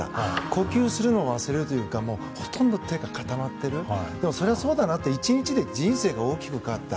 呼吸するのを忘れるというかほとんど手が固まっているそりゃそうだなと１日で人生が大きく変わった。